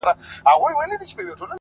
ټول عمر تكه توره شپه وي رڼا كډه كړې ـ